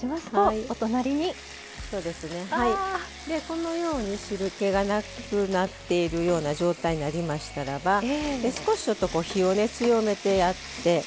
このように汁けがなくなっているような状態になりましたらば少しちょっと火を強めてやって。